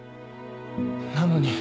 なのに。